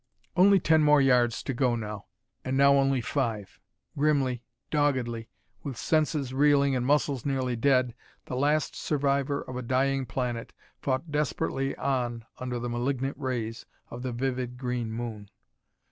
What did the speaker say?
Only ten more yards to go now. And now only five. Grimly, doggedly, with senses reeling and muscles nearly dead, the last survivor of a dying planet fought desperately on under the malignant rays of the vivid green moon!